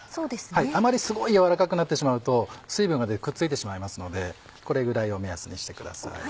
あまりすごいやわらかくなってしまうと水分が出てくっついてしまいますのでこれぐらいを目安にしてください。